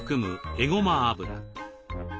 えごま油。